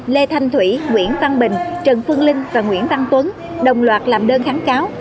lê thanh thủy nguyễn văn bình trần phương linh và nguyễn văn tuấn đồng loạt làm đơn kháng cáo